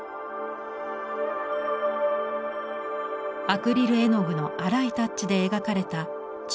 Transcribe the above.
アクリル絵の具の荒いタッチで描かれた蝶？